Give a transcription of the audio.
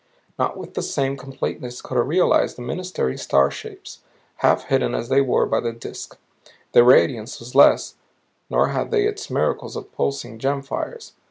Not with that same completeness could I realize the ministering star shapes, half hidden as they were by the Disk. Their radiance was less, nor had they its miracle of pulsing gem fires.